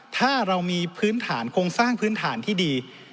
ถ้าเรามีพื้นฐานโครงสร้างพื้นฐานที่ดี